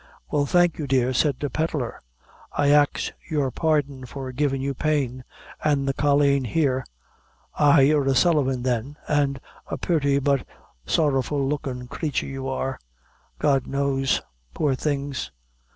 "Well, thank you, dear," said the pedlar; "I ax your pardon for givin' you pain an' the colleen here ay, you're a Sullivan, then an' a purty but sorrowful lookin' crature your are, God knows. Poor things!